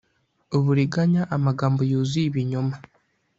uburiganya amagambo yuzuye ibinyoma